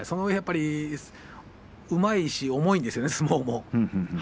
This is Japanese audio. うまいし重いんですよね、相撲も。